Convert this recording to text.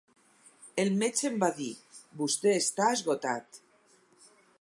El metge em va dir: 'Vostè està esgotat.